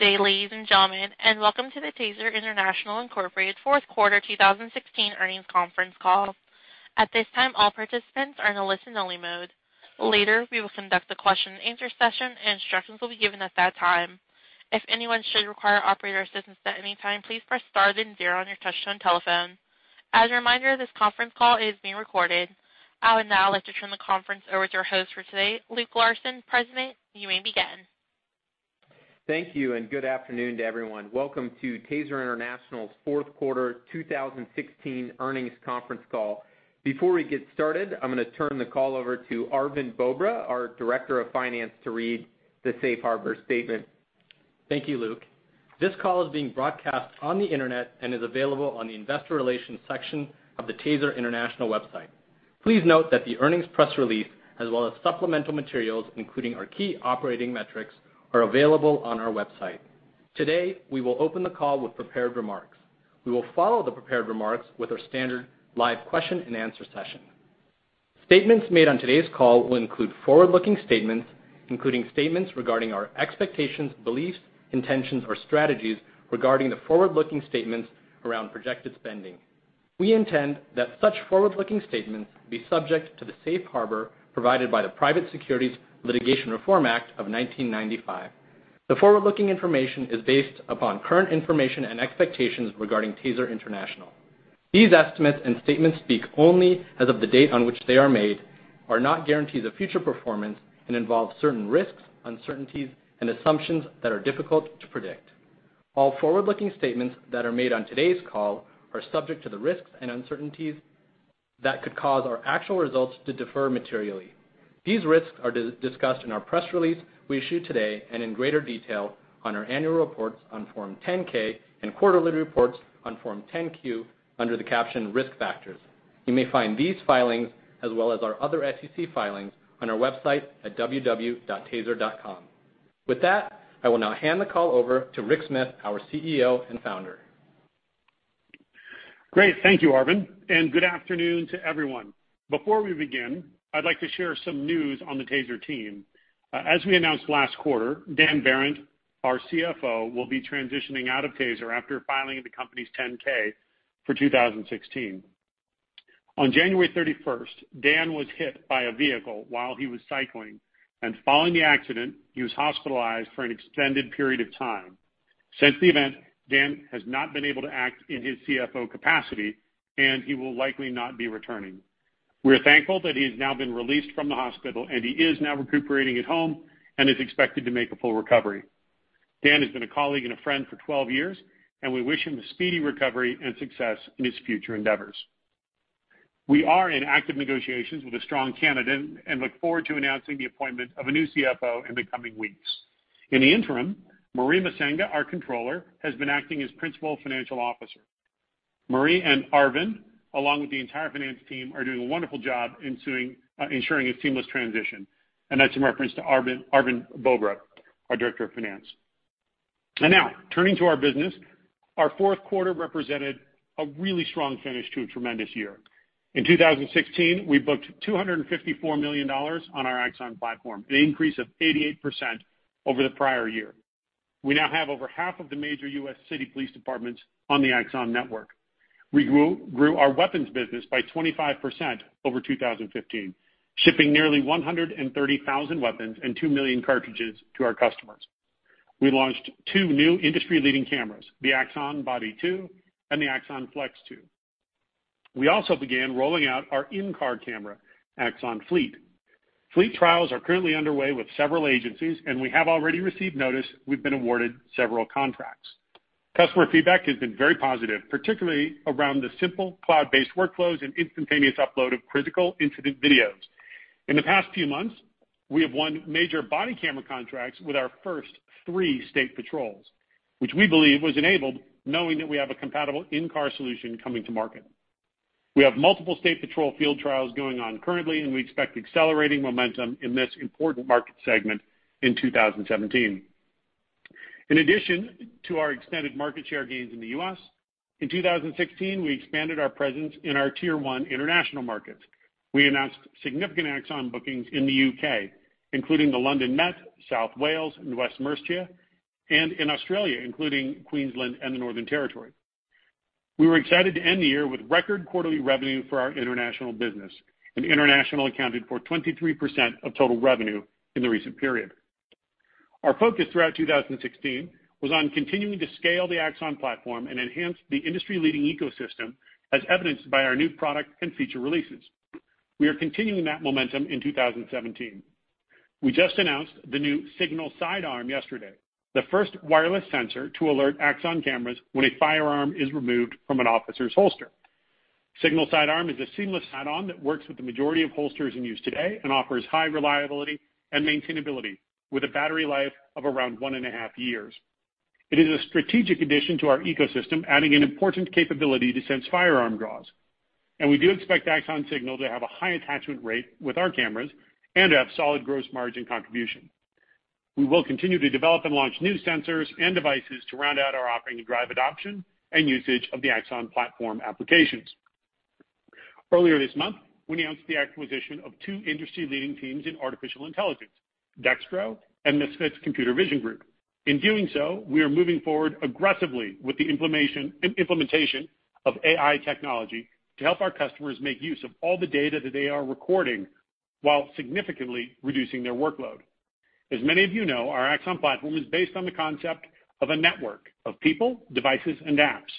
Good day, ladies and gentlemen, and welcome to the TASER International, Inc. fourth quarter 2016 earnings conference call. At this time, all participants are in a listen only mode. Later, we will conduct a question and answer session, and instructions will be given at that time. If anyone should require operator assistance at any time, please press star then zero on your touch-tone telephone. As a reminder, this conference call is being recorded. I would now like to turn the conference over to our host for today, Luke Larson, President. You may begin. Thank you and good afternoon to everyone. Welcome to TASER International's fourth quarter 2016 earnings conference call. Before we get started, I'm going to turn the call over to Arvind Bobra, our Director of Finance, to read the safe harbor statement. Thank you, Luke. This call is being broadcast on the internet and is available on the investor relations section of the TASER International website. Please note that the earnings press release, as well as supplemental materials, including our key operating metrics, are available on our website. Today, we will open the call with prepared remarks. We will follow the prepared remarks with our standard live question and answer session. Statements made on today's call will include forward-looking statements, including statements regarding our expectations, beliefs, intentions, or strategies regarding the forward-looking statements around projected spending. We intend that such forward-looking statements be subject to the safe harbor provided by the Private Securities Litigation Reform Act of 1995. The forward-looking information is based upon current information and expectations regarding TASER International. These estimates and statements speak only as of the date on which they are made, are not guarantees of future performance, and involve certain risks, uncertainties, and assumptions that are difficult to predict. All forward-looking statements that are made on today's call are subject to the risks and uncertainties that could cause our actual results to differ materially. These risks are discussed in our press release we issued today and in greater detail on our annual reports on Form 10-K and quarterly reports on Form 10-Q under the caption Risk Factors. You may find these filings as well as our other SEC filings on our website at www.taser.com. With that, I will now hand the call over to Rick Smith, our CEO and founder. Great, thank you, Arvind, and good afternoon to everyone. Before we begin, I'd like to share some news on the Taser team. As we announced last quarter, Dan Behrendt, our CFO, will be transitioning out of Taser after filing the company's 10-K for 2016. On January 31st, Dan was hit by a vehicle while he was cycling, and following the accident, he was hospitalized for an extended period of time. Since the event, Dan has not been able to act in his CFO capacity, and he will likely not be returning. We're thankful that he has now been released from the hospital, and he is now recuperating at home and is expected to make a full recovery. Dan has been a colleague and a friend for 12 years, and we wish him a speedy recovery and success in his future endeavors. We are in active negotiations with a strong candidate and look forward to announcing the appointment of a new CFO in the coming weeks. In the interim, Marie Masenga, our controller, has been acting as principal financial officer. Marie and Arvind, along with the entire finance team, are doing a wonderful job ensuring a seamless transition, and that's in reference to Arvind Bobra, our Director of Finance. Now turning to our business. Our fourth quarter represented a really strong finish to a tremendous year. In 2016, we booked $254 million on our Axon platform, an increase of 88% over the prior year. We now have over half of the major U.S. city police departments on the Axon network. We grew our weapons business by 25% over 2015, shipping nearly 130,000 weapons and 2 million cartridges to our customers. We launched two new industry-leading cameras, the Axon Body 2 and the Axon Flex 2. We also began rolling out our in-car camera, Axon Fleet. Fleet trials are currently underway with several agencies, and we have already received notice we've been awarded several contracts. Customer feedback has been very positive, particularly around the simple cloud-based workflows and instantaneous upload of critical incident videos. In the past few months, we have won major body camera contracts with our first three state patrols, which we believe was enabled knowing that we have a compatible in-car solution coming to market. We have multiple state patrol field trials going on currently, and we expect accelerating momentum in this important market segment in 2017. In addition to our extended market share gains in the U.S., in 2016, we expanded our presence in our tier 1 international markets. We announced significant Axon bookings in the U.K., including the London Met, South Wales, and West Mercia, and in Australia, including Queensland and the Northern Territory. We were excited to end the year with record quarterly revenue for our international business, and international accounted for 23% of total revenue in the recent period. Our focus throughout 2016 was on continuing to scale the Axon platform and enhance the industry-leading ecosystem as evidenced by our new product and feature releases. We are continuing that momentum in 2017. We just announced the new Signal Sidearm yesterday, the first wireless sensor to alert Axon cameras when a firearm is removed from an officer's holster. Signal Sidearm is a seamless add-on that works with the majority of holsters in use today and offers high reliability and maintainability with a battery life of around one and a half years. It is a strategic addition to our ecosystem, adding an important capability to sense firearm draws. We do expect Axon Signal to have a high attachment rate with our cameras and to have solid gross margin contribution. We will continue to develop and launch new sensors and devices to round out our offering to drive adoption and usage of the Axon platform applications. Earlier this month, we announced the acquisition of two industry-leading teams in artificial intelligence, Dextro and Misfit's computer vision group. In doing so, we are moving forward aggressively with the implementation of AI technology to help our customers make use of all the data that they are recording while significantly reducing their workload. As many of you know, our Axon platform is based on the concept of a network of people, devices, and apps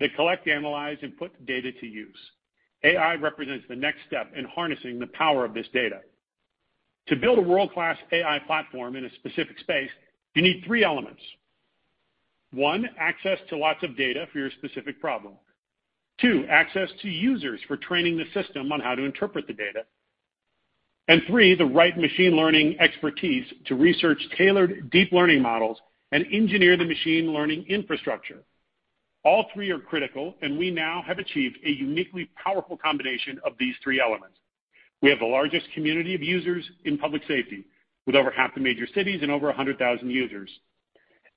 that collect, analyze, and put data to use. AI represents the next step in harnessing the power of this data. To build a world-class AI platform in a specific space, you need three elements. One, access to lots of data for your specific problem. Two, access to users for training the system on how to interpret the data. Three, the right machine learning expertise to research tailored deep learning models and engineer the machine learning infrastructure. All three are critical, and we now have achieved a uniquely powerful combination of these three elements. We have the largest community of users in public safety, with over half the major cities and over 100,000 users.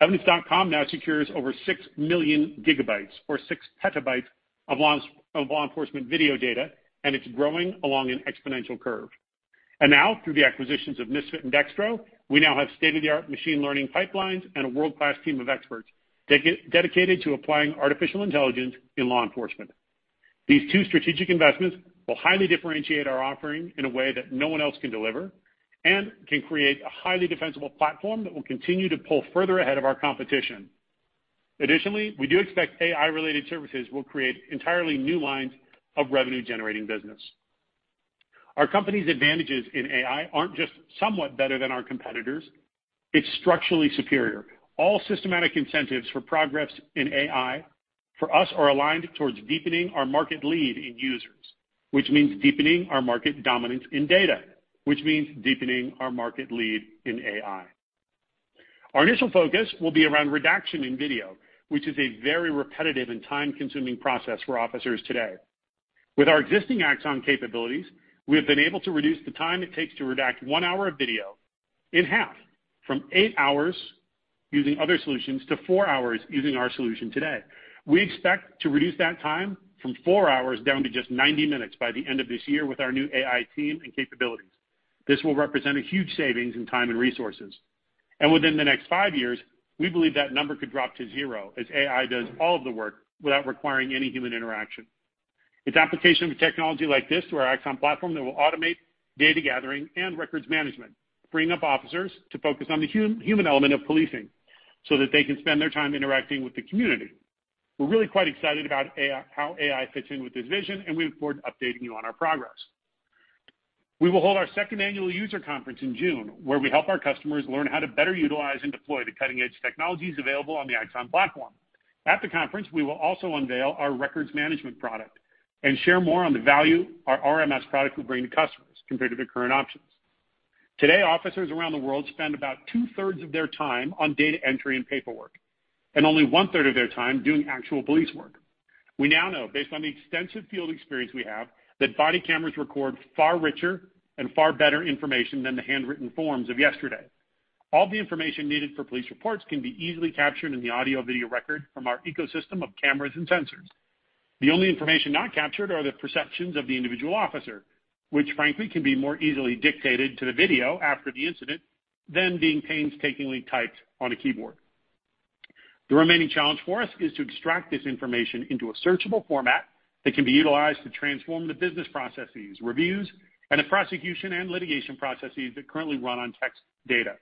Evidence.com now secures over 6 million gigabytes, or 6 petabytes, of law enforcement video data, and it's growing along an exponential curve. Now, through the acquisitions of Misfit and Dextro, we now have state-of-the-art machine learning pipelines and a world-class team of experts dedicated to applying artificial intelligence in law enforcement. These two strategic investments will highly differentiate our offering in a way that no one else can deliver and can create a highly defensible platform that will continue to pull further ahead of our competition. Additionally, we do expect AI-related services will create entirely new lines of revenue-generating business. Our company's advantages in AI aren't just somewhat better than our competitors. It's structurally superior. All systematic incentives for progress in AI for us are aligned towards deepening our market lead in users, which means deepening our market dominance in data, which means deepening our market lead in AI. Our initial focus will be around redaction in video, which is a very repetitive and time-consuming process for officers today. With our existing Axon capabilities, we have been able to reduce the time it takes to redact one hour of video in half from eight hours using other solutions to four hours using our solution today. We expect to reduce that time from four hours down to just 90 minutes by the end of this year with our new AI team and capabilities. This will represent a huge savings in time and resources. Within the next five years, we believe that number could drop to zero as AI does all of the work without requiring any human interaction. It's application of technology like this to our Axon platform that will automate data gathering and records management, freeing up officers to focus on the human element of policing so that they can spend their time interacting with the community. We're really quite excited about how AI fits in with this vision, and we look forward to updating you on our progress. We will hold our second annual user conference in June, where we help our customers learn how to better utilize and deploy the cutting-edge technologies available on the Axon platform. At the conference, we will also unveil our records management product and share more on the value our RMS product will bring to customers compared to their current options. Today, officers around the world spend about two-thirds of their time on data entry and paperwork, and only one-third of their time doing actual police work. We now know, based on the extensive field experience we have, that body cameras record far richer and far better information than the handwritten forms of yesterday. All the information needed for police reports can be easily captured in the audio-video record from our ecosystem of cameras and sensors. The only information not captured are the perceptions of the individual officer, which frankly can be more easily dictated to the video after the incident than being painstakingly typed on a keyboard. The remaining challenge for us is to extract this information into a searchable format that can be utilized to transform the business processes, reviews, and the prosecution and litigation processes that currently run on text data.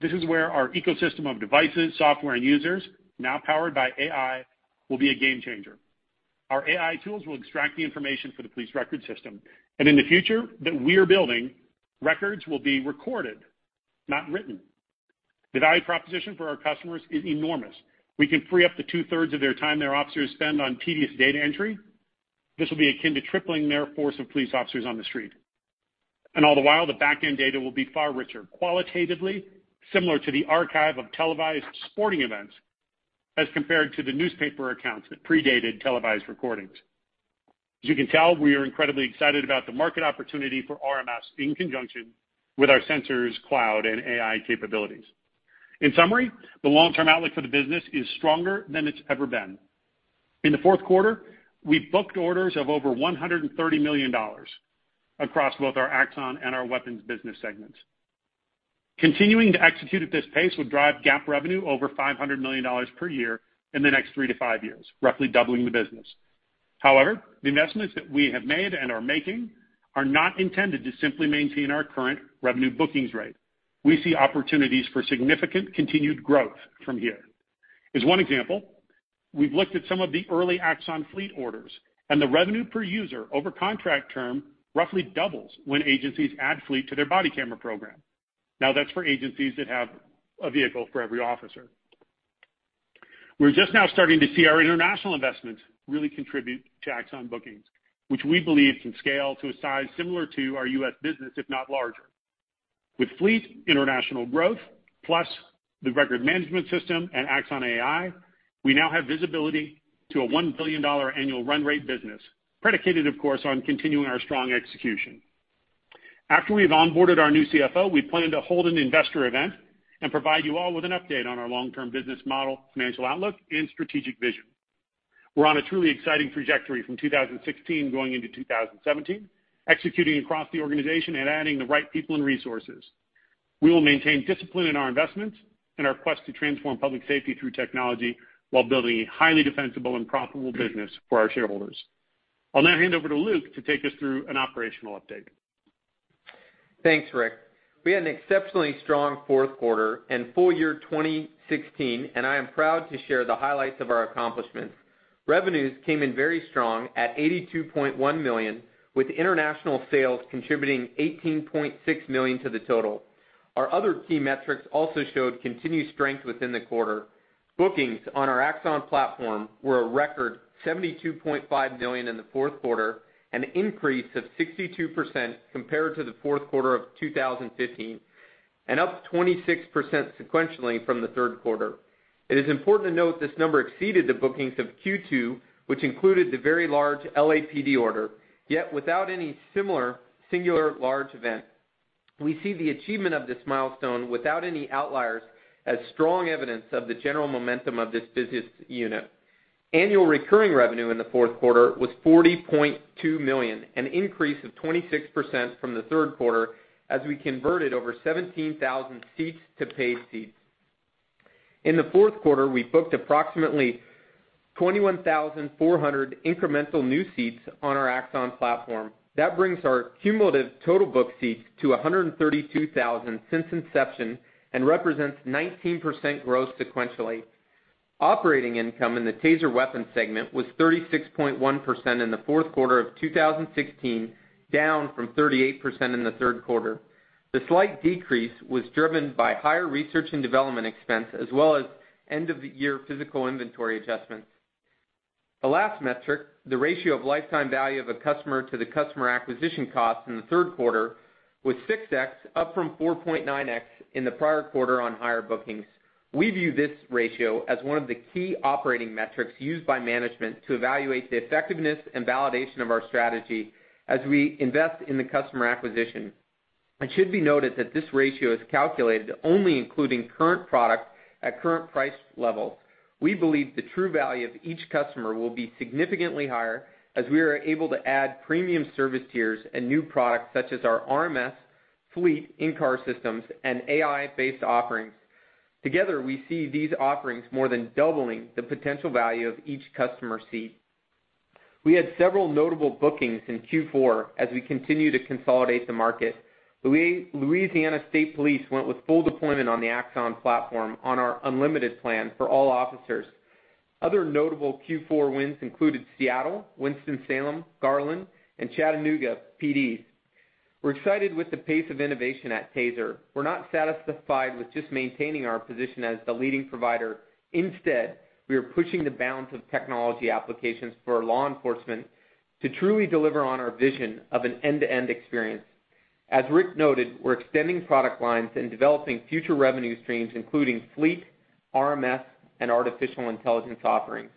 This is where our ecosystem of devices, software, and users, now powered by AI, will be a game changer. Our AI tools will extract the information for the police record system, and in the future that we are building, records will be recorded, not written. The value proposition for our customers is enormous. We can free up to two-thirds of their time their officers spend on tedious data entry. This will be akin to tripling their force of police officers on the street. All the while, the back-end data will be far richer qualitatively, similar to the archive of televised sporting events as compared to the newspaper accounts that predated televised recordings. As you can tell, we are incredibly excited about the market opportunity for RMS in conjunction with our sensors, cloud, and AI capabilities. In summary, the long-term outlook for the business is stronger than it's ever been. In the fourth quarter, we booked orders of over $130 million across both our Axon and our weapons business segments. Continuing to execute at this pace would drive GAAP revenue over $500 million per year in the next three to five years, roughly doubling the business. The investments that we have made and are making are not intended to simply maintain our current revenue bookings rate. We see opportunities for significant continued growth from here. As one example, we've looked at some of the early Axon Fleet orders, the revenue per user over contract term roughly doubles when agencies add Fleet to their body camera program. That's for agencies that have a vehicle for every officer. We're just now starting to see our international investments really contribute to Axon bookings, which we believe can scale to a size similar to our U.S. business, if not larger. With Fleet international growth, plus the record management system and Axon AI, we now have visibility to a $1 billion annual run rate business, predicated, of course, on continuing our strong execution. After we have onboarded our new CFO, we plan to hold an investor event and provide you all with an update on our long-term business model, financial outlook, and strategic vision. We're on a truly exciting trajectory from 2016 going into 2017, executing across the organization and adding the right people and resources. We will maintain discipline in our investments and our quest to transform public safety through technology, while building a highly defensible and profitable business for our shareholders. I'll now hand over to Luke to take us through an operational update. Thanks, Rick. We had an exceptionally strong fourth quarter and full year 2016. I am proud to share the highlights of our accomplishments. Revenues came in very strong at $82.1 million, with international sales contributing $18.6 million to the total. Our other key metrics also showed continued strength within the quarter. Bookings on our Axon platform were a record $72.5 million in the fourth quarter, an increase of 62% compared to the fourth quarter of 2015. Up 26% sequentially from the third quarter. It is important to note this number exceeded the bookings of Q2, which included the very large LAPD order, without any similar singular large event. We see the achievement of this milestone without any outliers as strong evidence of the general momentum of this business unit. Annual recurring revenue in the fourth quarter was $40.2 million, an increase of 26% from the third quarter, as we converted over 17,000 seats to paid seats. In the fourth quarter, we booked approximately 21,400 incremental new seats on our Axon platform. It brings our cumulative total booked seats to 132,000 since inception and represents 19% growth sequentially. Operating income in the Taser weapons segment was 36.1% in the fourth quarter of 2016, down from 38% in the third quarter. The slight decrease was driven by higher research and development expense, as well as end-of-the-year physical inventory adjustments. The last metric, the ratio of lifetime value of a customer to the customer acquisition cost in the third quarter was 6x, up from 4.9x in the prior quarter on higher bookings. We view this ratio as one of the key operating metrics used by management to evaluate the effectiveness and validation of our strategy as we invest in the customer acquisition. It should be noted that this ratio is calculated only including current product at current price levels. We believe the true value of each customer will be significantly higher as we are able to add premium service tiers and new products such as our RMS, fleet in-car systems, and AI-based offerings. We see these offerings more than doubling the potential value of each customer seat. We had several notable bookings in Q4 as we continue to consolidate the market. Louisiana State Police went with full deployment on the Axon platform on our unlimited plan for all officers. Other notable Q4 wins included Seattle, Winston-Salem, Garland, and Chattanooga PD. We're excited with the pace of innovation at Taser. We're not satisfied with just maintaining our position as the leading provider. Instead, we are pushing the bounds of technology applications for law enforcement to truly deliver on our vision of an end-to-end experience. As Rick noted, we're extending product lines and developing future revenue streams, including fleet, RMS, and artificial intelligence offerings.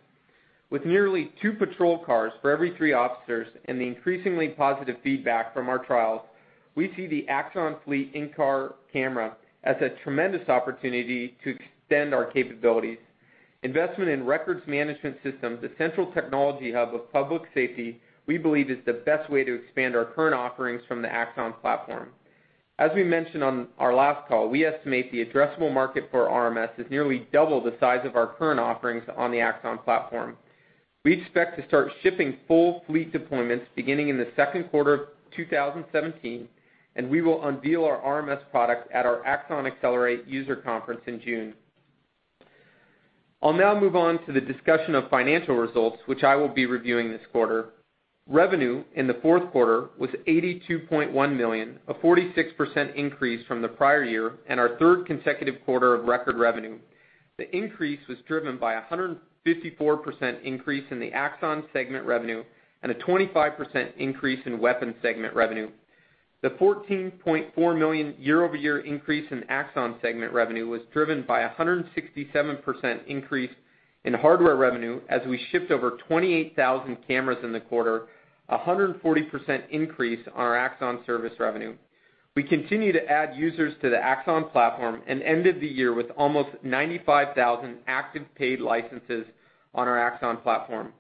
With nearly two patrol cars for every three officers and the increasingly positive feedback from our trials, we see the Axon Fleet in-car camera as a tremendous opportunity to extend our capabilities. Investment in records management systems, the central technology hub of public safety, we believe is the best way to expand our current offerings from the Axon platform. As we mentioned on our last call, we estimate the addressable market for RMS is nearly double the size of our current offerings on the Axon platform. We expect to start shipping full fleet deployments beginning in the second quarter of 2017, and we will unveil our RMS product at our Axon Accelerate user conference in June. I'll now move on to the discussion of financial results, which I will be reviewing this quarter. Revenue in the fourth quarter was $82.1 million, a 46% increase from the prior year and our third consecutive quarter of record revenue. The increase was driven by 154% increase in the Axon segment revenue and a 25% increase in weapons segment revenue. The $14.4 million year-over-year increase in Axon segment revenue was driven by 167% increase in hardware revenue as we shipped over 28,000 cameras in the quarter, 140% increase on our Axon service revenue. We continue to add users to the Axon platform and ended the year with almost 95,000 active paid licenses on our Axon platform.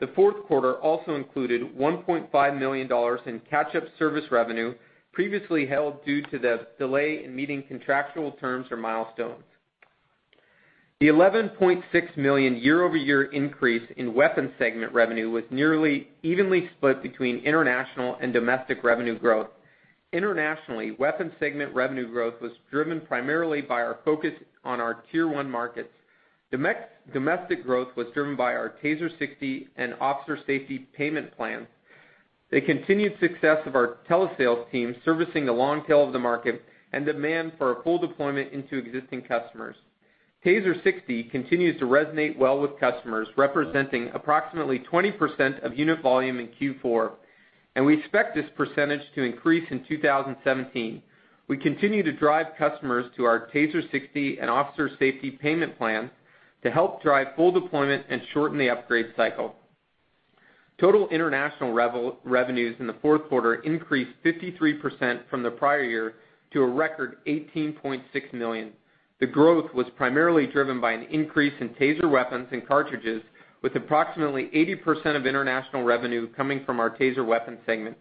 The fourth quarter also included $1.5 million in catch-up service revenue previously held due to the delay in meeting contractual terms or milestones. The $11.6 million year-over-year increase in weapons segment revenue was nearly evenly split between international and domestic revenue growth. Internationally, weapons segment revenue growth was driven primarily by our focus on our tier 1 markets. Domestic growth was driven by our Taser 60 and officer safety payment plans. The continued success of our telesales team servicing the long tail of the market and demand for a full deployment into existing customers. Taser 60 continues to resonate well with customers, representing approximately 20% of unit volume in Q4, and we expect this percentage to increase in 2017. We continue to drive customers to our Taser 60 and officer safety payment plan to help drive full deployment and shorten the upgrade cycle. Total international revenues in the fourth quarter increased 53% from the prior year to a record $18.6 million. The growth was primarily driven by an increase in Taser weapons and cartridges, with approximately 80% of international revenue coming from our Taser weapon segment.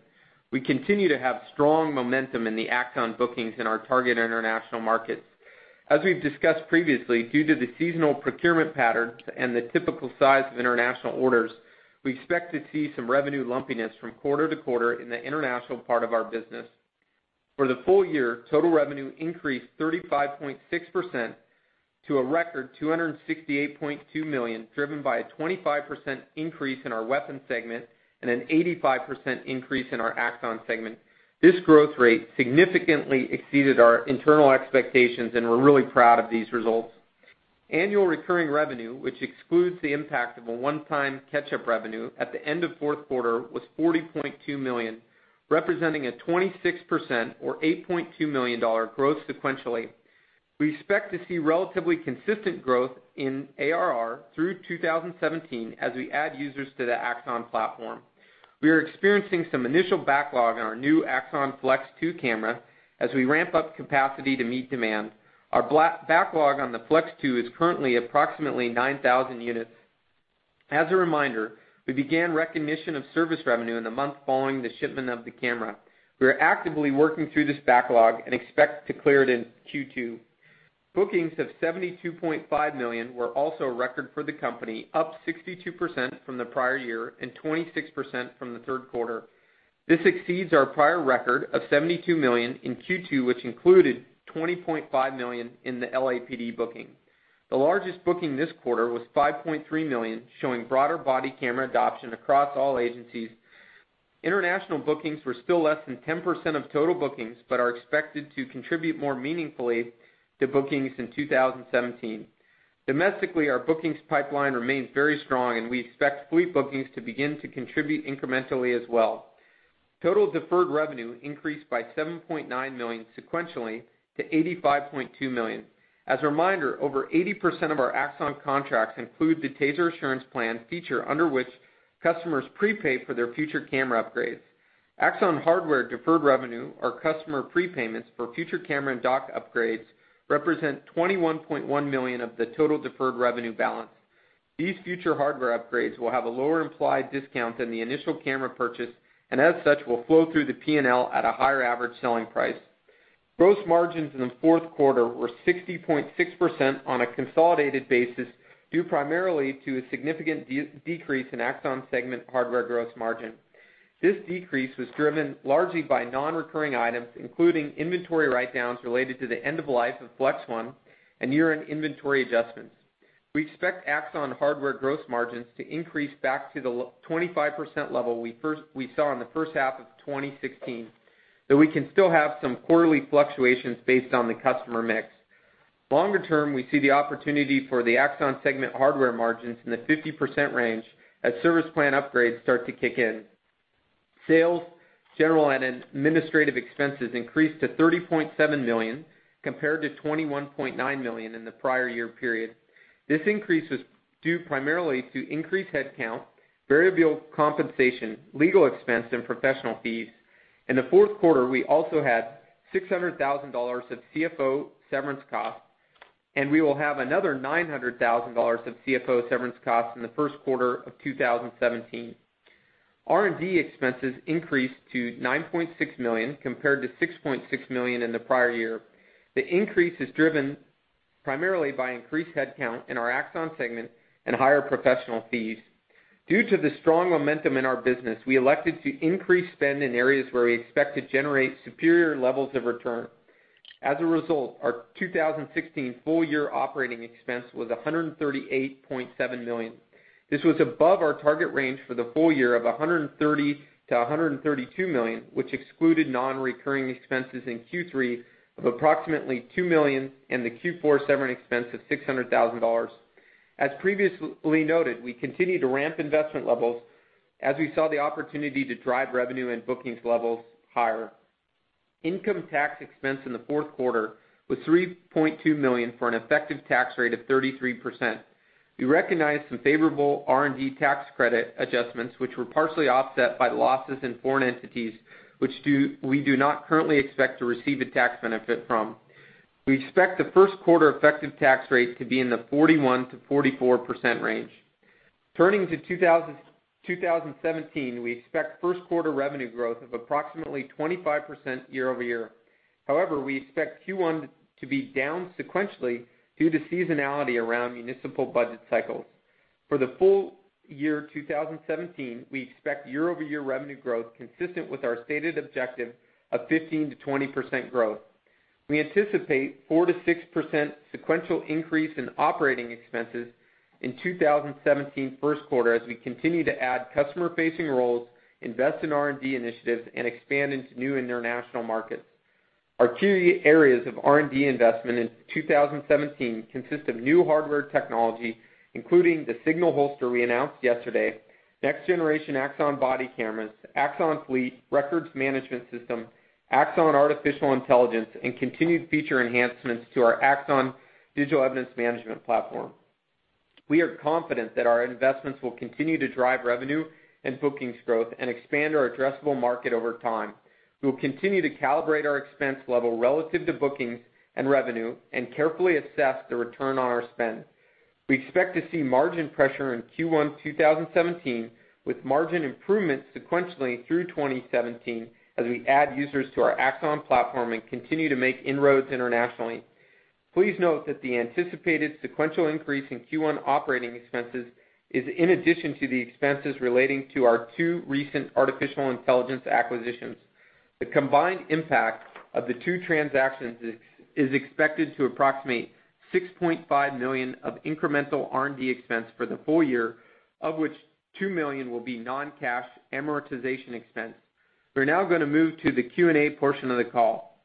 We continue to have strong momentum in the Axon bookings in our target international markets. As we've discussed previously, due to the seasonal procurement patterns and the typical size of international orders, we expect to see some revenue lumpiness from quarter-to-quarter in the international part of our business. For the full year, total revenue increased 35.6% to a record $268.2 million, driven by a 25% increase in our weapons segment and an 85% increase in our Axon segment. This growth rate significantly exceeded our internal expectations, and we're really proud of these results. Annual recurring revenue, which excludes the impact of a one-time catch-up revenue at the end of fourth quarter, was $40.2 million, representing a 26%, or $8.2 million, growth sequentially. We expect to see relatively consistent growth in ARR through 2017 as we add users to the Axon platform. We are experiencing some initial backlog on our new Axon Flex 2 camera as we ramp up capacity to meet demand. Our backlog on the Flex 2 is currently approximately 9,000 units. As a reminder, we began recognition of service revenue in the month following the shipment of the camera. We are actively working through this backlog and expect to clear it in Q2. Bookings of $72.5 million were also a record for the company, up 62% from the prior year and 26% from the third quarter. This exceeds our prior record of $72 million in Q2, which included $20.5 million in the LAPD booking. The largest booking this quarter was $5.3 million, showing broader body camera adoption across all agencies. International bookings were still less than 10% of total bookings, but are expected to contribute more meaningfully to bookings in 2017. Domestically, our bookings pipeline remains very strong, and we expect fleet bookings to begin to contribute incrementally as well. Total deferred revenue increased by $7.9 million sequentially to $85.2 million. As a reminder, over 80% of our Axon contracts include the Taser Assurance Plan feature, under which customers prepay for their future camera upgrades. Axon hardware deferred revenue are customer prepayments for future camera and dock upgrades represent $21.1 million of the total deferred revenue balance. These future hardware upgrades will have a lower implied discount than the initial camera purchase, and as such, will flow through the P&L at a higher average selling price. Gross margins in the fourth quarter were 60.6% on a consolidated basis, due primarily to a significant decrease in Axon segment hardware gross margin. This decrease was driven largely by non-recurring items, including inventory write-downs related to the end-of-life of Flex 1 and year-end inventory adjustments. We expect Axon hardware gross margins to increase back to the 25% level we saw in the first half of 2016, though we can still have some quarterly fluctuations based on the customer mix. Longer term, we see the opportunity for the Axon segment hardware margins in the 50% range as service plan upgrades start to kick in. Sales, general, and administrative expenses increased to $30.7 million, compared to $21.9 million in the prior year period. This increase was due primarily to increased headcount, variable compensation, legal expense, and professional fees. In the fourth quarter, we also had $600,000 of CFO severance costs, and we will have another $900,000 of CFO severance costs in the first quarter of 2017. R&D expenses increased to $9.6 million, compared to $6.6 million in the prior year. The increase is driven primarily by increased headcount in our Axon segment and higher professional fees. Due to the strong momentum in our business, we elected to increase spend in areas where we expect to generate superior levels of return. As a result, our 2016 full-year operating expense was $138.7 million. This was above our target range for the full year of $130 million-$132 million, which excluded non-recurring expenses in Q3 of approximately $2 million and the Q4 severance expense of $600,000. As previously noted, we continue to ramp investment levels as we saw the opportunity to drive revenue and bookings levels higher. Income tax expense in the fourth quarter was $3.2 million for an effective tax rate of 33%. We recognized some favorable R&D tax credit adjustments, which were partially offset by losses in foreign entities, which we do not currently expect to receive a tax benefit from. We expect the first quarter effective tax rate to be in the 41%-44% range. Turning to 2017, we expect first quarter revenue growth of approximately 25% year-over-year. However, we expect Q1 to be down sequentially due to seasonality around municipal budget cycles. For the full year 2017, we expect year-over-year revenue growth consistent with our stated objective of 15%-20% growth. We anticipate 4%-6% sequential increase in operating expenses in 2017 first quarter as we continue to add customer-facing roles, invest in R&D initiatives, and expand into new international markets. Our key areas of R&D investment in 2017 consist of new hardware technology, including the Signal Sidearm we announced yesterday, next generation Axon body cameras, Axon Fleet, Records Management System, Axon Artificial Intelligence, and continued feature enhancements to our Axon Digital Evidence Management platform. We are confident that our investments will continue to drive revenue and bookings growth and expand our addressable market over time. We will continue to calibrate our expense level relative to bookings and revenue and carefully assess the return on our spend. We expect to see margin pressure in Q1 2017, with margin improvements sequentially through 2017 as we add users to our Axon platform and continue to make inroads internationally. Please note that the anticipated sequential increase in Q1 operating expenses is in addition to the expenses relating to our two recent artificial intelligence acquisitions. The combined impact of the two transactions is expected to approximate $6.5 million of incremental R&D expense for the full year, of which $2 million will be non-cash amortization expense. We're now going to move to the Q&A portion of the call.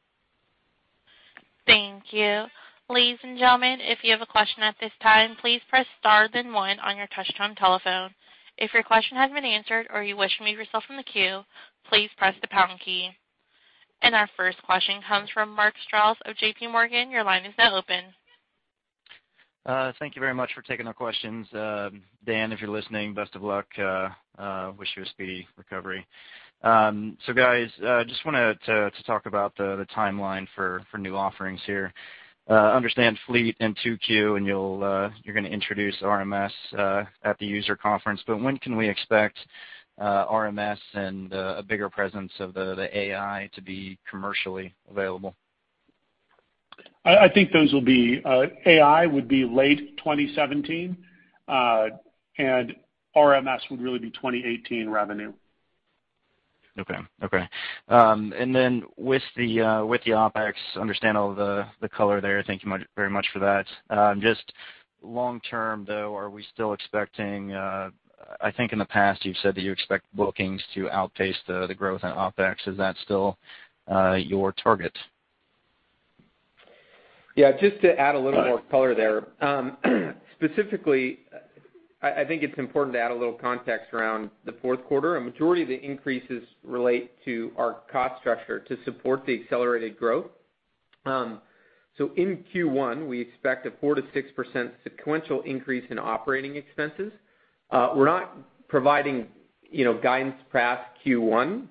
Thank you. Ladies and gentlemen, if you have a question at this time, please press star then one on your touchtone telephone. If your question has been answered or you wish to remove yourself from the queue, please press the pound key. Our first question comes from Mark Strouse of JPMorgan. Your line is now open. Thank you very much for taking our questions. Dan, if you're listening, best of luck. Wish you a speedy recovery. Guys, just wanted to talk about the timeline for new offerings here. Understand Fleet in 2Q, and you're going to introduce RMS at the user conference. When can we expect RMS and a bigger presence of the AI to be commercially available? I think AI would be late 2017, RMS would really be 2018 revenue. Okay. With the OpEx, understand all the color there. Thank you very much for that. Just long-term though, are we still expecting I think in the past you've said that you expect bookings to outpace the growth in OpEx. Is that still your target? Yeah. Just to add a little more color there. Specifically, I think it's important to add a little context around the fourth quarter. A majority of the increases relate to our cost structure to support the accelerated growth. In Q1, we expect a 4%-6% sequential increase in operating expenses. We're not providing guidance past Q1.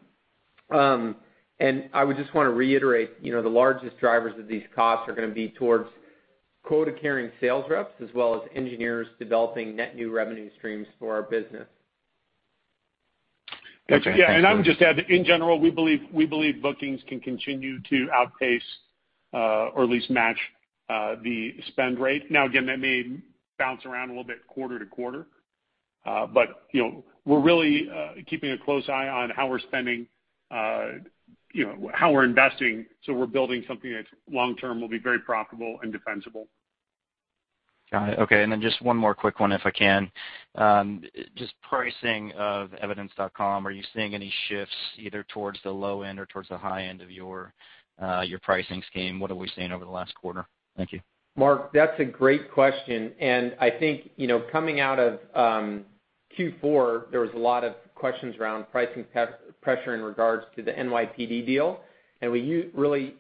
I would just want to reiterate, the largest drivers of these costs are going to be towards quota-carrying sales reps, as well as engineers developing net new revenue streams for our business. Okay, thanks, Rick. Yeah. I would just add, in general, we believe bookings can continue to outpace, or at least match, the spend rate. Now, again, that may bounce around a little bit quarter to quarter. We're really keeping a close eye on how we're spending, how we're investing, so we're building something that long-term will be very profitable and defensible. Got it. Okay. Just one more quick one, if I can. Just pricing of Evidence.com. Are you seeing any shifts either towards the low end or towards the high end of your pricing scheme? What are we seeing over the last quarter? Thank you. Mark, that's a great question. I think, coming out of Q4, there was a lot of questions around pricing pressure in regards to the NYPD deal. We really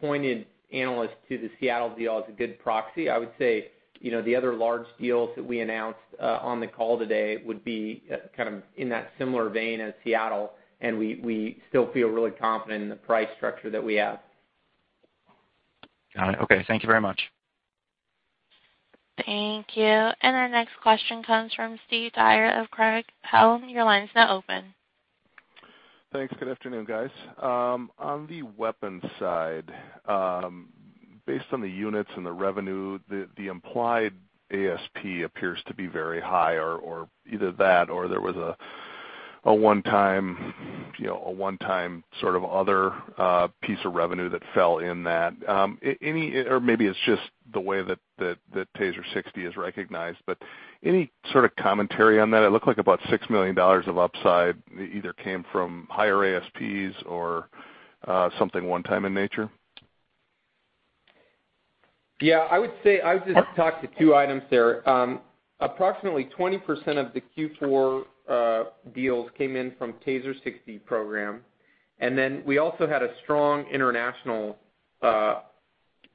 pointed analysts to the Seattle deal as a good proxy. I would say, the other large deals that we announced on the call today would be kind of in that similar vein as Seattle. We still feel really confident in the price structure that we have. Got it. Okay. Thank you very much. Thank you. Our next question comes from Steve Dyer of Craig-Hallum. Your line is now open. Thanks. Good afternoon, guys. On the weapons side, based on the units and the revenue, the implied ASP appears to be very high, or either that or there was a one-time sort of other piece of revenue that fell in that. Maybe it's just the way that Taser 60 is recognized, but any sort of commentary on that? It looked like about $6 million of upside either came from higher ASPs or something one time in nature. Yeah. I would just talk to two items there. Approximately 20% of the Q4 deals came in from Taser 60 program, and then we also had a strong international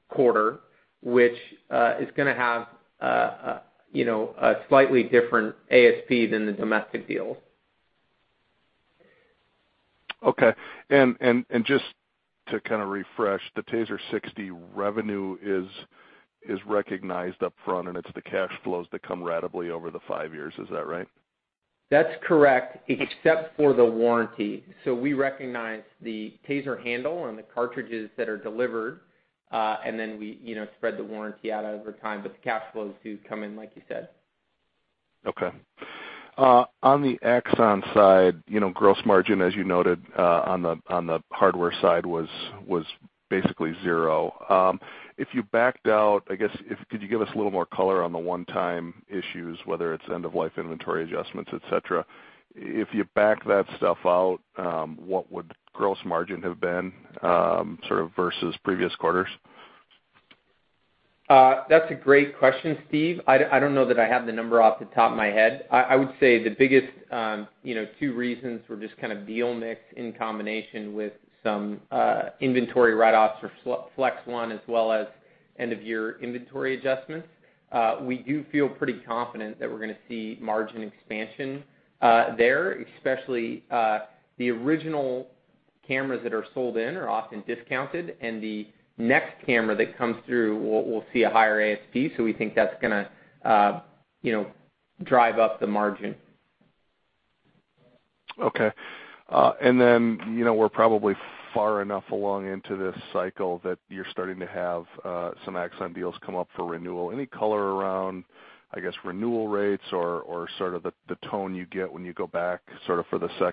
quarter, which is going to have a slightly different ASP than the domestic deals. Okay. Just to kind of refresh, the Taser 60 revenue is recognized upfront, and it's the cash flows that come ratably over the five years. Is that right? That's correct. Except for the warranty. We recognize the Taser handle and the cartridges that are delivered, and then we spread the warranty out over time. The cash flows do come in like you said. Okay. On the Axon side, gross margin, as you noted on the hardware side was basically zero. If you backed out, I guess, could you give us a little more color on the one-time issues, whether it's end-of-life inventory adjustments, et cetera? If you back that stuff out, what would gross margin have been sort of versus previous quarters? That's a great question, Steve. I don't know that I have the number off the top of my head. I would say the biggest two reasons were just kind of deal mix in combination with some inventory write-offs for Axon Flex as well as end-of-year inventory adjustments. We do feel pretty confident that we're going to see margin expansion there, especially the original cameras that are sold in are often discounted, and the next camera that comes through will see a higher ASP. We think that's going to drive up the margin. Okay. We're probably far enough along into this cycle that you're starting to have some Axon deals come up for renewal. Any color around, I guess, renewal rates or sort of the tone you get when you go back for the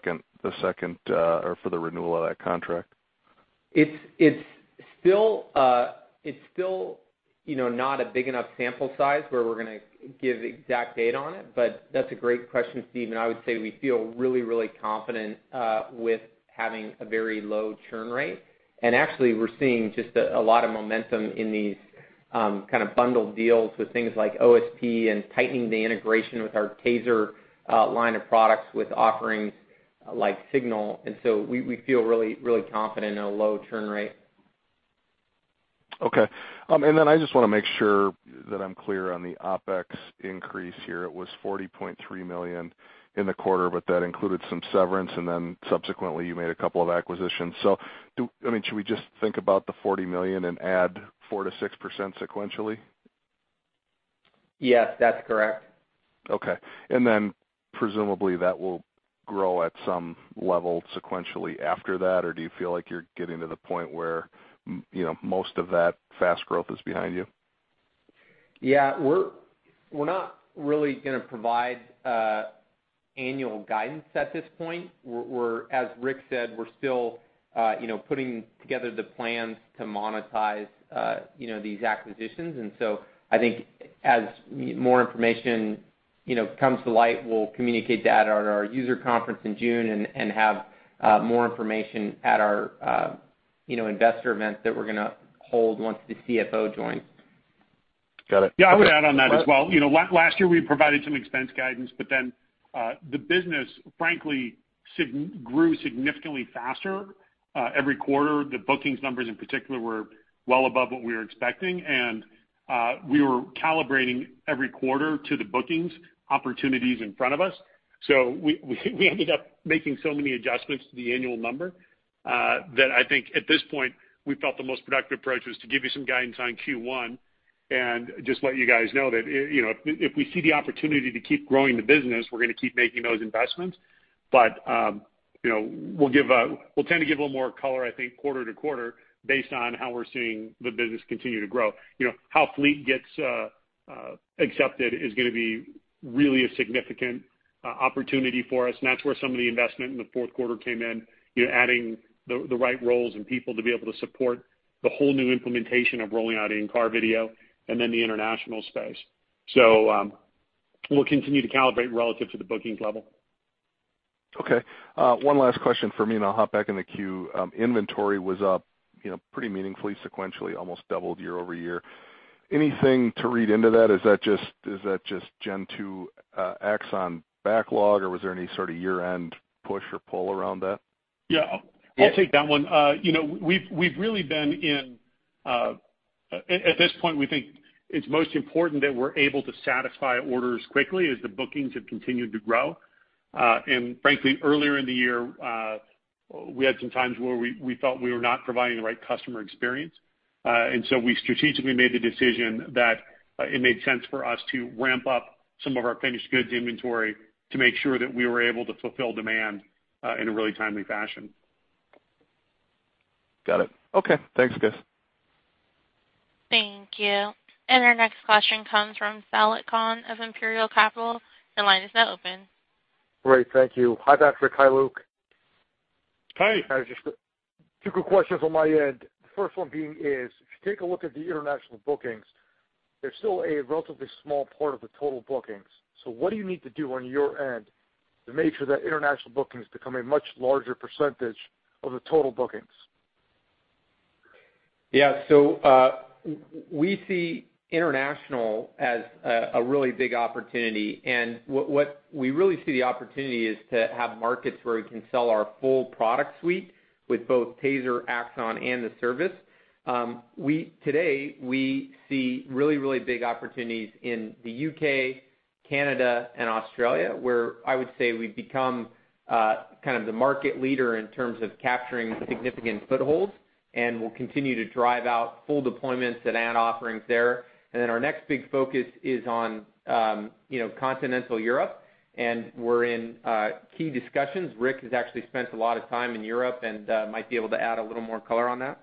renewal of that contract? It's still not a big enough sample size where we're going to give exact date on it. That's a great question, Steve, I would say we feel really, really confident with having a very low churn rate. Actually, we're seeing just a lot of momentum in these kind of bundled deals with things like OSP and tightening the integration with our Taser line of products with offerings like Signal. We feel really confident in a low churn rate. Okay. I just want to make sure that I'm clear on the OPEX increase here. It was $40.3 million in the quarter, that included some severance, subsequently you made a couple of acquisitions. Should we just think about the $40 million and add 4%-6% sequentially? Yes, that's correct. Okay. Presumably that will grow at some level sequentially after that, or do you feel like you're getting to the point where most of that fast growth is behind you? Yeah. We're not really going to provide annual guidance at this point. As Rick said, we're still putting together the plans to monetize these acquisitions. I think as more information comes to light, we'll communicate that at our user conference in June and have more information at our investor event that we're going to hold once the CFO joins. Got it. Yeah, I would add on that as well. Last year we provided some expense guidance, the business frankly grew significantly faster every quarter. The bookings numbers in particular were well above what we were expecting, and we were calibrating every quarter to the bookings opportunities in front of us. We ended up making so many adjustments to the annual number, that I think at this point, we felt the most productive approach was to give you some guidance on Q1 and just let you guys know that if we see the opportunity to keep growing the business, we're going to keep making those investments. We'll tend to give a little more color, I think, quarter to quarter based on how we're seeing the business continue to grow. How Fleet gets accepted is going to be really a significant opportunity for us, and that's where some of the investment in the fourth quarter came in, adding the right roles and people to be able to support the whole new implementation of rolling out in-car video and then the international space. We'll continue to calibrate relative to the bookings level. Okay. One last question for me, and I'll hop back in the queue. Inventory was up pretty meaningfully sequentially, almost doubled year-over-year. Anything to read into that? Is that just Gen 2 Axon backlog, or was there any sort of year-end push or pull around that? Yeah, I'll take that one. At this point, we think it's most important that we're able to satisfy orders quickly as the bookings have continued to grow. Frankly, earlier in the year, we had some times where we felt we were not providing the right customer experience. We strategically made the decision that it made sense for us to ramp up some of our finished goods inventory to make sure that we were able to fulfill demand in a really timely fashion. Got it. Okay, thanks, guys. Thank you. Our next question comes from Saliq Khan of Imperial Capital. Your line is now open. Great. Thank you. Hi, Patrick. Hi, Luke. Hey. I just have two quick questions on my end. The first one being is, if you take a look at the international bookings, they're still a relatively small part of the total bookings. What do you need to do on your end to make sure that international bookings become a much larger % of the total bookings? Yeah. We see international as a really big opportunity. What we really see the opportunity is to have markets where we can sell our full product suite with both Taser, Axon, and the service. Today, we see really, really big opportunities in the U.K., Canada, and Australia, where I would say we've become kind of the market leader in terms of capturing significant footholds, and we'll continue to drive out full deployments and add offerings there. Our next big focus is on continental Europe, and we're in key discussions. Rick has actually spent a lot of time in Europe and might be able to add a little more color on that.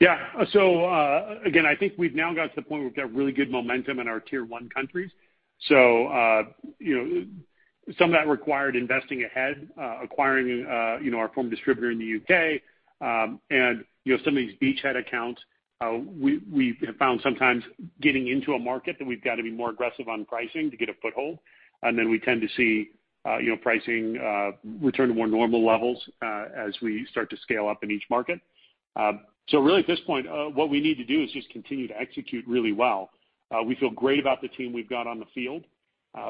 Yeah. I think we've now got to the point where we've got really good momentum in our tier 1 countries. Some of that required investing ahead, acquiring our former distributor in the U.K., and some of these beachhead accounts, we have found sometimes getting into a market that we've got to be more aggressive on pricing to get a foothold. Then we tend to see pricing return to more normal levels, as we start to scale up in each market. Really at this point, what we need to do is just continue to execute really well. We feel great about the team we've got on the field.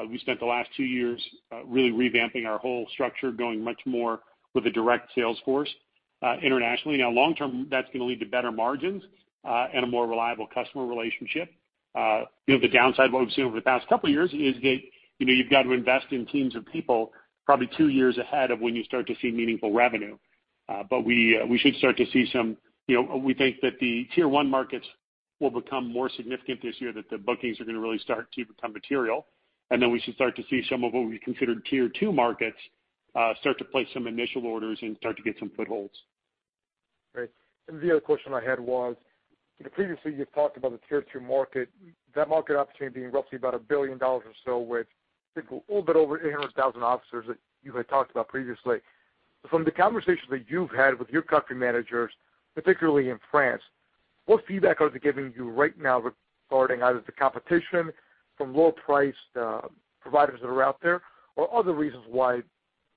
We spent the last two years really revamping our whole structure, going much more with a direct sales force internationally. Long term, that's going to lead to better margins and a more reliable customer relationship. We should start to see some. We think that the tier 1 markets will become more significant this year, that the bookings are going to really start to become material. Then we should start to see some of what we considered tier 2 markets start to place some initial orders and start to get some footholds. Great. The other question I had was, previously, you've talked about the tier 2 market, that market opportunity being roughly about $1 billion or so with, I think, a little bit over 800,000 officers that you had talked about previously. From the conversations that you've had with your country managers, particularly in France, what feedback are they giving you right now regarding either the competition from lower priced providers that are out there, or other reasons why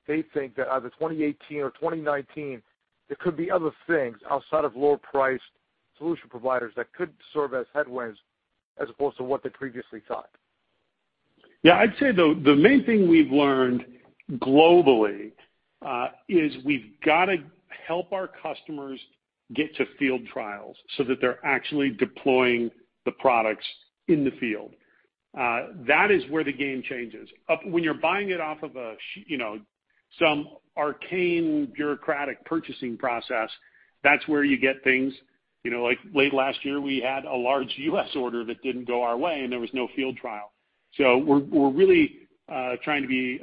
they think that either 2018 or 2019, there could be other things outside of lower priced solution providers that could serve as headwinds as opposed to what they previously thought? Yeah. I'd say the main thing we've learned globally is we've got to help our customers get to field trials so that they're actually deploying the products in the field. That is where the game changes. When you're buying it off of some arcane bureaucratic purchasing process, that's where you get things. Like late last year, we had a large U.S. order that didn't go our way, and there was no field trial. We're really trying to be,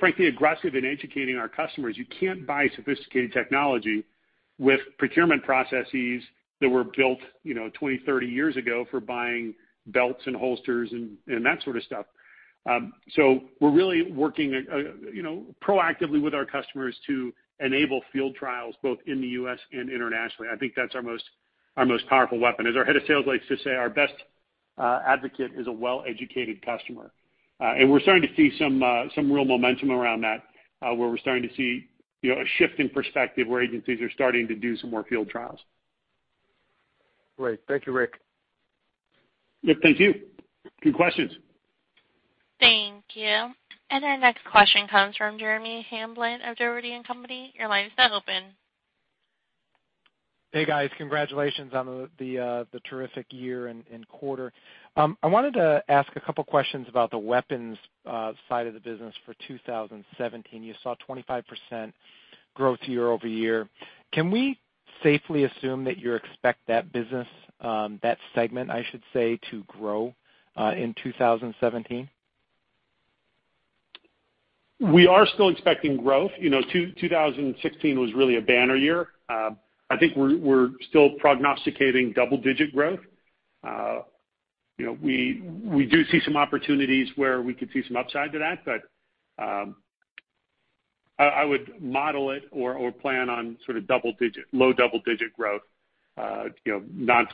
frankly, aggressive in educating our customers. You can't buy sophisticated technology with procurement processes that were built 20, 30 years ago for buying belts and holsters and that sort of stuff. We're really working proactively with our customers to enable field trials, both in the U.S. and internationally. I think that's our most powerful weapon. As our head of sales likes to say, our best advocate is a well-educated customer. We're starting to see some real momentum around that, where we're starting to see a shift in perspective where agencies are starting to do some more field trials. Great. Thank you, Rick. Rick, thank you. Good questions. Thank you. Our next question comes from Jeremy Hamblin of Dougherty & Company. Your line is now open. Hey, guys. Congratulations on the terrific year and quarter. I wanted to ask a couple questions about the weapons side of the business for 2017. You saw 25% growth year-over-year. Can we safely assume that you expect that business, that segment, I should say, to grow in 2017? We are still expecting growth. 2016 was really a banner year. I think we're still prognosticating double-digit growth. We do see some opportunities where we could see some upside to that, but I would model it or plan on sort of low double-digit growth. It's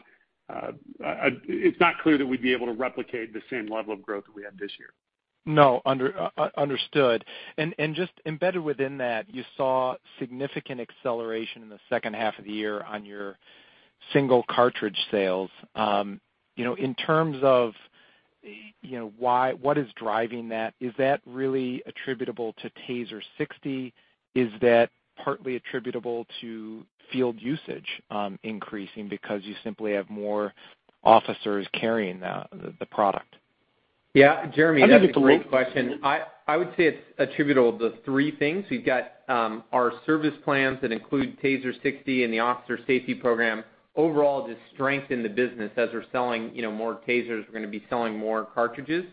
not clear that we'd be able to replicate the same level of growth that we had this year. No. Understood. Just embedded within that, you saw significant acceleration in the second half of the year on your single cartridge sales. In terms of what is driving that, is that really attributable to TASER 60? Is that partly attributable to field usage increasing because you simply have more officers carrying the product? Yeah. Jeremy, that's a great question. I would say it's attributable to three things. We've got our service plans that include TASER 60 and the officer safety program. Overall, just strength in the business. As we're selling more TASERs, we're going to be selling more cartridges.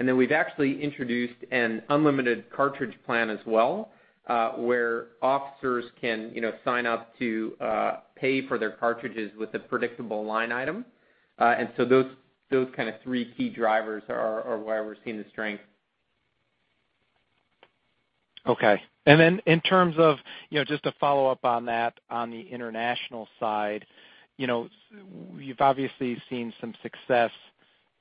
We've actually introduced an unlimited cartridge plan as well, where officers can sign up to pay for their cartridges with a predictable line item. So those kind of three key drivers are where we're seeing the strength. Okay. In terms of, just to follow up on that, on the international side, you've obviously seen some success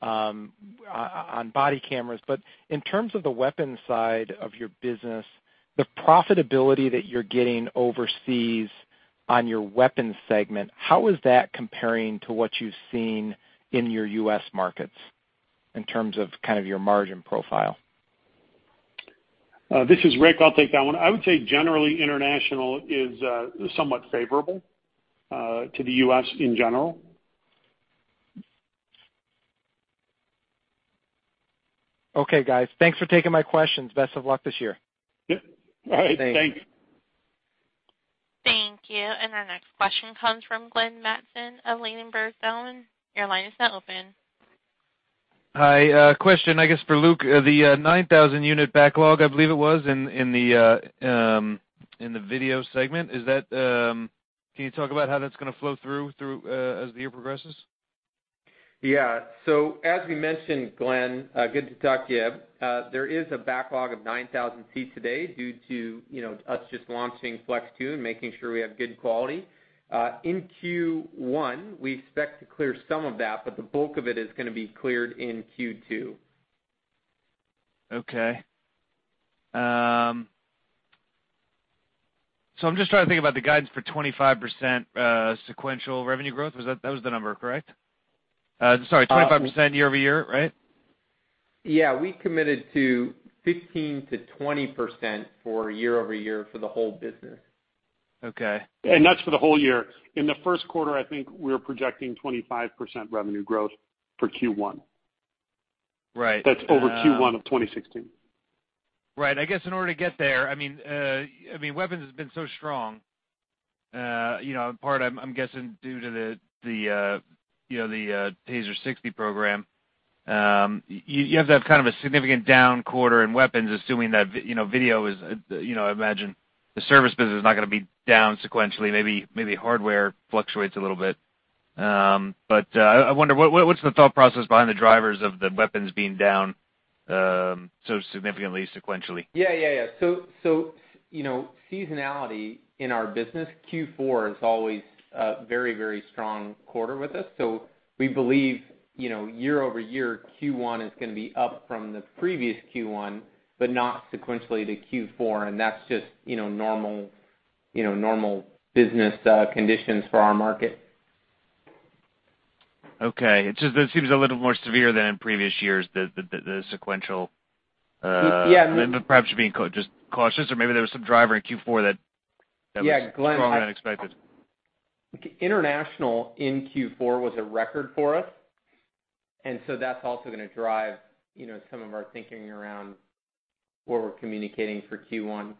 on body cameras, but in terms of the weapons side of your business, the profitability that you're getting overseas on your weapons segment, how is that comparing to what you've seen in your U.S. markets in terms of kind of your margin profile? This is Rick. I'll take that one. I would say generally, international is somewhat favorable to the U.S. in general. Okay, guys. Thanks for taking my questions. Best of luck this year. Yep. All right. Thanks. Thank you. Our next question comes from Glenn Mattson of Ladenburg Thalmann. Your line is now open. Hi. A question, I guess, for Luke. The 9,000 unit backlog, I believe it was, in the video segment. Can you talk about how that's going to flow through as the year progresses? Yeah. As we mentioned, Glenn, good to talk to you. There is a backlog of 9,000 pieces today due to us just launching Flex 2 and making sure we have good quality. In Q1, we expect to clear some of that, but the bulk of it is going to be cleared in Q2. Okay. I'm just trying to think about the guidance for 25% sequential revenue growth. That was the number, correct? Sorry, 25% year-over-year, right? Yeah, we committed to 15%-20% for year-over-year for the whole business. Okay. That's for the whole year. In the first quarter, I think we're projecting 25% revenue growth for Q1. Right. That's over Q1 of 2016. Right. I guess in order to get there, Weapons has been so strong, in part, I'm guessing due to the TASER 60 program. You have to have kind of a significant down quarter in Weapons, assuming that Video is, I imagine the service business is not going to be down sequentially. Maybe hardware fluctuates a little bit. I wonder, what's the thought process behind the drivers of the Weapons being down so significantly sequentially? Seasonality in our business, Q4 is always a very strong quarter with us. We believe, year-over-year, Q1 is going to be up from the previous Q1, but not sequentially to Q4, that's just normal business conditions for our market. Okay. It just seems a little more severe than in previous years, the sequential. Yeah. Perhaps you're being just cautious, or maybe there was some driver in Q4 that was. Yeah, Glenn. stronger than expected. TASER International in Q4 was a record for us. So that's also going to drive some of our thinking around what we're communicating for Q1.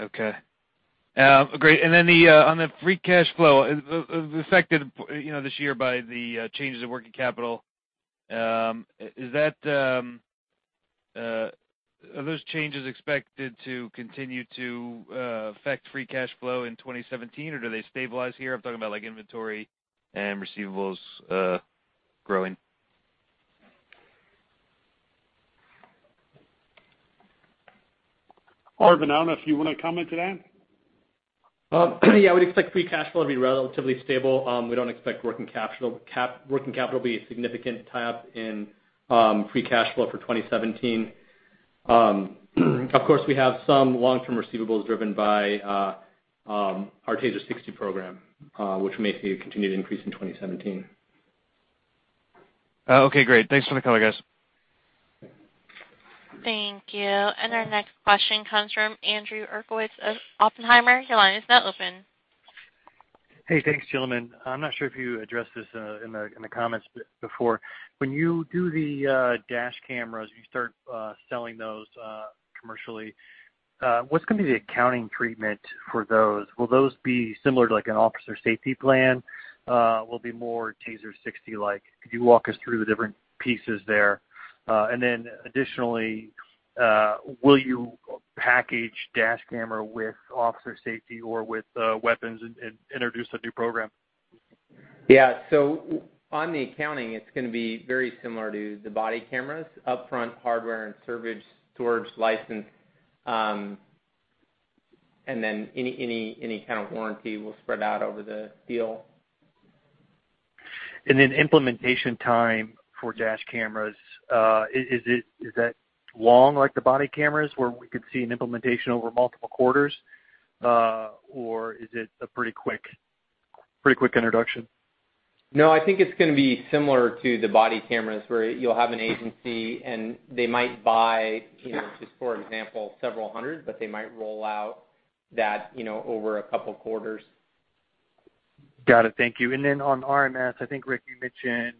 Okay. Great. On the free cash flow, affected this year by the changes in working capital. Are those changes expected to continue to affect free cash flow in 2017, or do they stabilize here? I'm talking about inventory and receivables growing. Arvind, I don't know if you want to comment to that? Yeah, we'd expect free cash flow to be relatively stable. We don't expect working capital to be a significant tie-up in free cash flow for 2017. Of course, we have some long-term receivables driven by our Taser 60 program, which may continue to increase in 2017. Okay, great. Thanks for the color, guys. Thank you. Our next question comes from Andrew Uerkwitz of Oppenheimer. Your line is now open. Hey, thanks, gentlemen. I'm not sure if you addressed this in the comments before. When you do the dash cameras, you start selling those commercially, what's going to be the accounting treatment for those? Will those be similar to an officer safety plan? Will it be more TASER 60-like? Could you walk us through the different pieces there? Additionally, will you package dash camera with officer safety or with weapons and introduce a new program? Yeah. On the accounting, it's going to be very similar to the body cameras. Upfront hardware and storage license, and then any kind of warranty will spread out over the deal. Implementation time for dash cameras, is that long like the body cameras, where we could see an implementation over multiple quarters? Or is it a pretty quick introduction? No, I think it's going to be similar to the body cameras, where you'll have an agency, and they might buy, just for example, several hundred, but they might roll out that over a couple of quarters. Got it. Thank you. On RMS, I think, Rick, you mentioned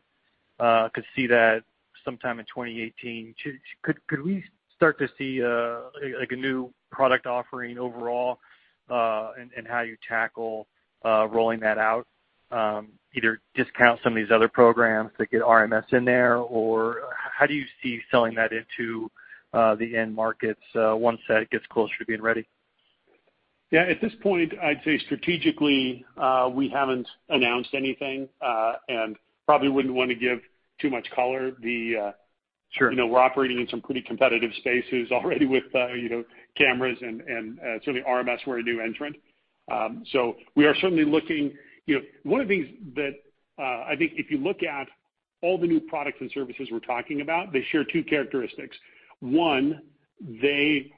could see that sometime in 2018. Could we start to see a new product offering overall, and how you tackle rolling that out? Either discount some of these other programs to get RMS in there, or how do you see selling that into the end markets once that gets closer to being ready? At this point, I'd say strategically, we haven't announced anything, and probably wouldn't want to give too much color. Sure. We're operating in some pretty competitive spaces already with cameras and certainly RMS, we're a new entrant. We are certainly looking. One of the things that I think if you look at all the new products and services we're talking about, they share two characteristics. One, they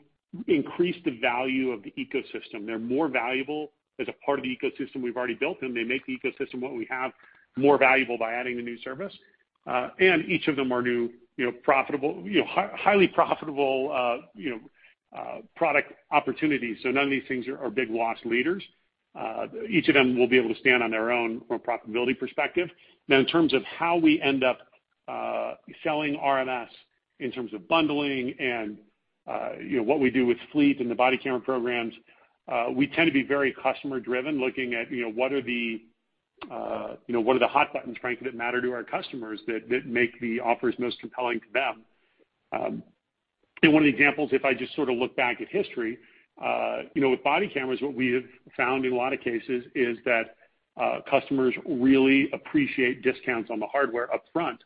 increase the value of the ecosystem. They're more valuable as a part of the ecosystem we've already built, and they make the ecosystem what we have more valuable by adding the new service. Each of them are new, highly profitable product opportunities. None of these things are big loss leaders. Each of them will be able to stand on their own from a profitability perspective. In terms of how we end up selling RMS in terms of bundling and what we do with Axon Fleet and the body camera programs, we tend to be very customer-driven, looking at what are the hot buttons, frankly, that matter to our customers that make the offers most compelling to them. One of the examples, if I just sort of look back at history, with body cameras, what we have found in a lot of cases is that customers really appreciate discounts on the hardware upfront.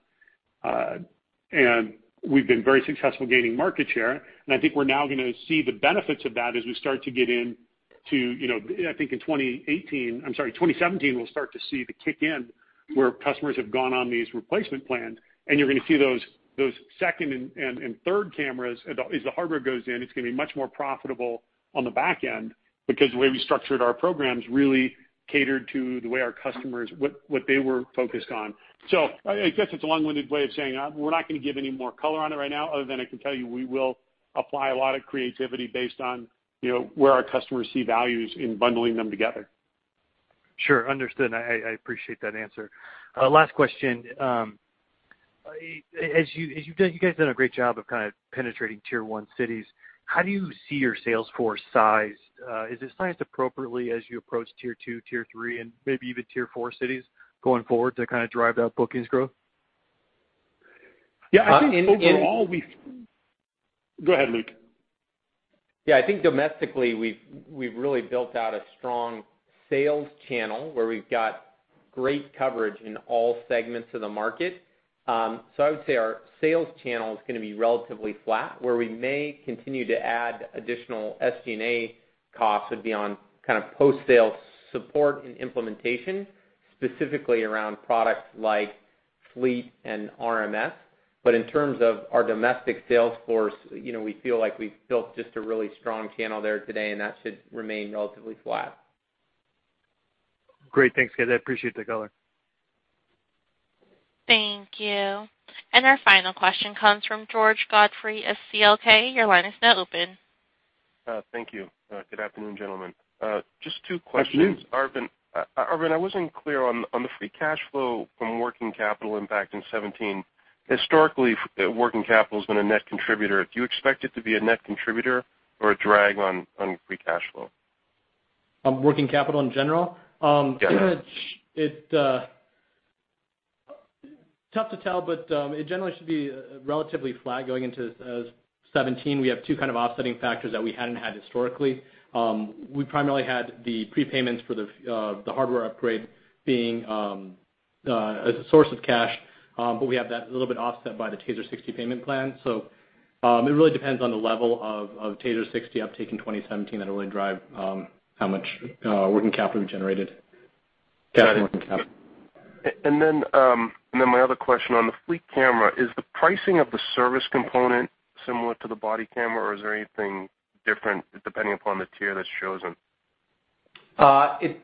We've been very successful gaining market share. I think we're now going to see the benefits of that as we start to get in to, I think in 2018, I'm sorry, 2017, we'll start to see the kick in where customers have gone on these replacement plans, and you're going to see those second and third cameras. As the hardware goes in, it's going to be much more profitable on the back end because the way we structured our programs really catered to the way our customers, what they were focused on. I guess it's a long-winded way of saying we're not going to give any more color on it right now, other than I can tell you, we will apply a lot of creativity based on where our customers see values in bundling them together. Sure. Understood. I appreciate that answer. Last question. You guys done a great job of kind of penetrating tier 1 cities. How do you see your sales force sized? Is it sized appropriately as you approach tier 2, tier 3, and maybe even tier 4 cities going forward to kind of drive that bookings growth? Go ahead, Luke. I think domestically, we've really built out a strong sales channel where we've got great coverage in all segments of the market. I would say our sales channel is going to be relatively flat. Where we may continue to add additional SG&A costs would be on kind of post-sale support and implementation, specifically around products like Fleet and RMS. In terms of our domestic sales force, we feel like we've built just a really strong channel there today, and that should remain relatively flat. Great. Thanks, guys. I appreciate the color. Thank you. Our final question comes from George Godfrey of CLK. Your line is now open. Thank you. Good afternoon, gentlemen. Just two questions. Arvind, I wasn't clear on the free cash flow from working capital impact in 2017. Historically, working capital's been a net contributor. Do you expect it to be a net contributor or a drag on free cash flow? Working capital in general? Yes. Tough to tell, it generally should be relatively flat going into 2017. We have two kind of offsetting factors that we hadn't had historically. We primarily had the prepayments for the hardware upgrade being a source of cash. We have that a little bit offset by the Taser 60 payment plan. It really depends on the level of Taser 60 uptake in 2017. That'll really drive how much working capital we generated. My other question on the Fleet camera, is the pricing of the service component similar to the body camera, or is there anything different depending upon the tier that's chosen?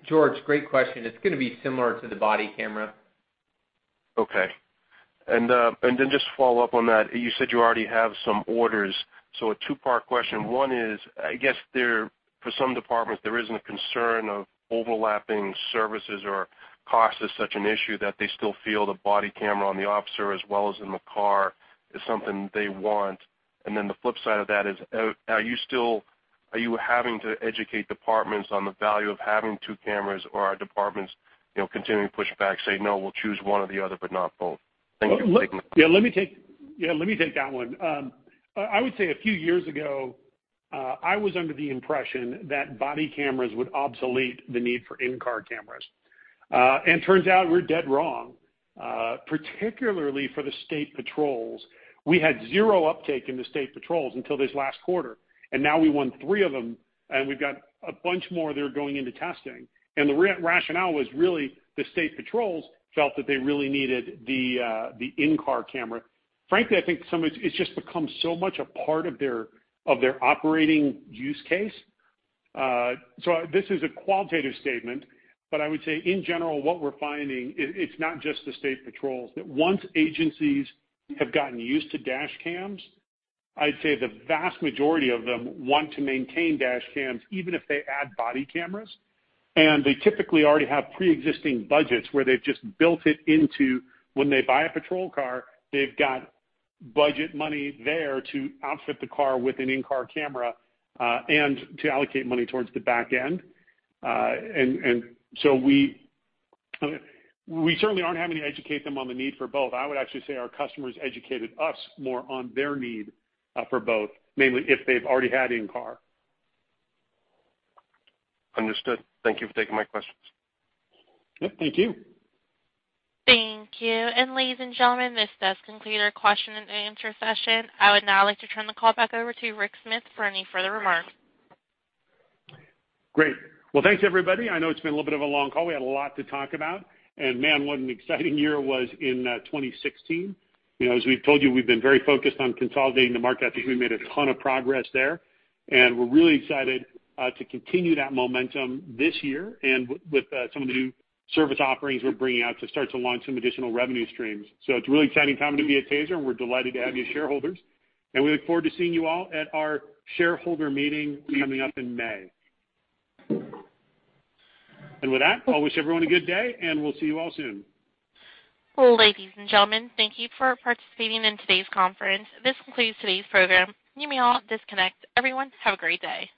George, great question. It's going to be similar to the body camera. Okay. Just follow up on that, you said you already have some orders. A two-part question. One is, I guess for some departments, there isn't a concern of overlapping services, or cost is such an issue that they still feel the body camera on the officer as well as in the car is something they want. The flip side of that is are you having to educate departments on the value of having two cameras, or are departments continuing to push back, say, "No, we'll choose one or the other, but not both"? Thank you. Yeah, let me take that one. I would say a few years ago, I was under the impression that body cameras would obsolete the need for in-car cameras. Turns out we're dead wrong, particularly for the state patrols. We had zero uptake in the state patrols until this last quarter, and now we won three of them, and we've got a bunch more that are going into testing. The rationale was really the state patrols felt that they really needed the in-car camera. Frankly, I think it's just become so much a part of their operating use case. This is a qualitative statement, but I would say in general, what we're finding, it's not just the state patrols, that once agencies have gotten used to dash cams, I'd say the vast majority of them want to maintain dash cams, even if they add body cameras. They typically already have preexisting budgets where they've just built it into when they buy a patrol car, they've got budget money there to outfit the car with an in-car camera, and to allocate money towards the back end. We certainly aren't having to educate them on the need for both. I would actually say our customers educated us more on their need for both, mainly if they've already had in-car. Understood. Thank you for taking my questions. Yep, thank you. Thank you. Ladies and gentlemen, this does conclude our question and answer session. I would now like to turn the call back over to Rick Smith for any further remarks. Thanks everybody. I know it's been a little bit of a long call. We had a lot to talk about, man, what an exciting year it was in 2016. As we've told you, we've been very focused on consolidating the market. I think we made a ton of progress there, we're really excited to continue that momentum this year and with some of the new service offerings we're bringing out to start to launch some additional revenue streams. It's a really exciting time to be at TASER, we're delighted to have you as shareholders, we look forward to seeing you all at our shareholder meeting coming up in May. With that, I'll wish everyone a good day, we'll see you all soon. Ladies and gentlemen, thank you for participating in today's conference. This concludes today's program. You may all disconnect. Everyone, have a great day.